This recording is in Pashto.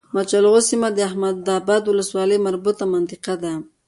مچلغو سيمه د احمداباد ولسوالی مربوطه منطقه ده